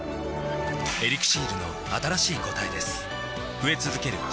「エリクシール」の新しい答えです